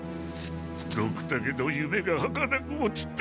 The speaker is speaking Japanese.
ドクタケの夢がはかなくも散った。